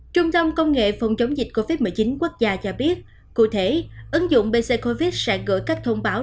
trung tâm công nghệ phòng chống dịch covid một mươi chín quốc gia cho biết cụ thể ứng dụng bc covid sẽ gửi các thông báo